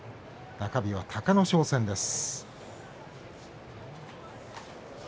中日は隆の勝戦です。